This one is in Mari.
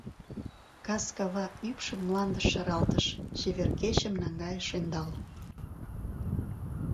Кас кава ӱпшым мландыш шаралтыш, Чевер кечым наҥгайыш ӧндал.